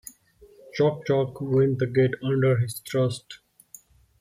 “Chock-chock!” went the gate under his thrust.